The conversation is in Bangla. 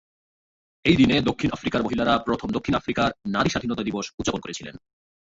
এই দিনে, দক্ষিণ আফ্রিকার মহিলারা প্রথম দক্ষিণ আফ্রিকার নারী স্বাধীনতা দিবস উদযাপন করেছিলেন।